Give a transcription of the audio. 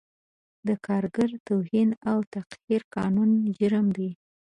د کارګر توهین او تحقیر قانوني جرم دی